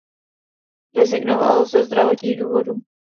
Rezignoval ze zdravotních důvodů.